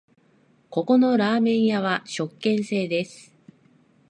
ここのラーメン屋は食券制です